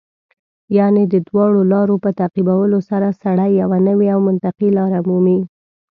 یعنې د دواړو لارو په تعقیبولو سره سړی یوه نوې او منطقي لار مومي.